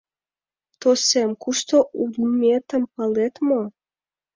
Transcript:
— Тосем, кушто улметым палет мо?